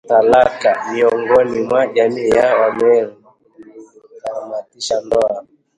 Talaka miongoni mwa jamii ya Wameru ilitamatisha ndoa